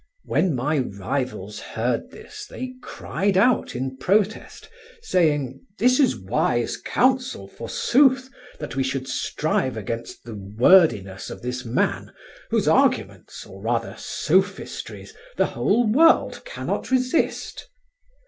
When my rivals heard this they cried out in protest, saying: "This is wise counsel, forsooth, that we should strive against the wordiness of this man, whose arguments, or rather, sophistries, the whole world cannot resist!"